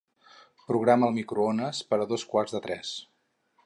Programa el microones per a dos quarts de tres.